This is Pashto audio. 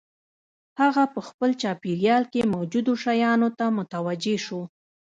هغه په خپل چاپېريال کې موجودو شيانو ته متوجه شو.